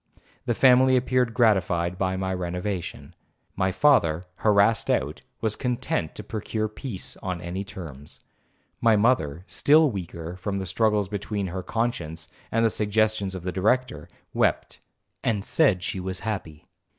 The family appeared gratified by my renovation. My father, harassed out, was content to procure peace on any terms. My mother, still weaker, from the struggles between her conscience and the suggestions of the Director, wept, and said she was happy.